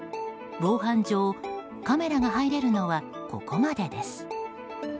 防犯上、カメラが入れるのはここまでです。